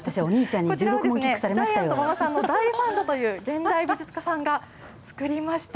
こちらは、ジャイアント馬場さんの大ファンだという現代美術家さんが作りました。